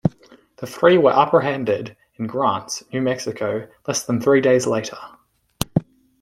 The three were apprehended in Grants, New Mexico, less than three days later.